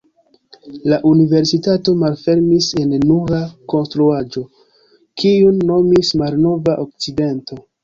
La universitato malfermis en nura konstruaĵo, kiun nomis Malnova Okcidento.